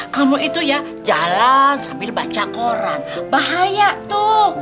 kamu itu ya jalan sambil baca koran bahaya tuh